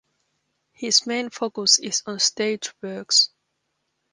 His main focus is on stage works.